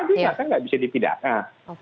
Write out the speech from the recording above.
dia maksudnya nggak bisa dipidahkan